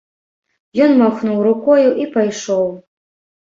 Ён махнуў рукою і пайшоў.